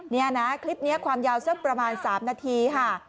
นี่นะคลิปนี้ความยาวสักประมาณ๓นาทีค่ะ